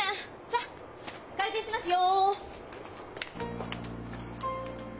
さあ開店しますよ！